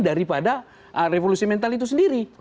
daripada revolusi mental itu sendiri